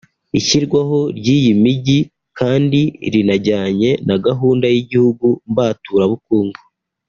Ishyirwaho ry’iyi mijyi kandi rinajyanye na gahunda y’igihugu mbaturabukungu